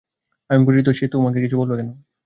আমি অপরিচিত, সে আমাকে কিছু বলবে কেন?